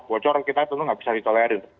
bocor kita tentu gak bisa ditoleran